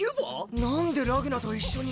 何でラグナと一緒に。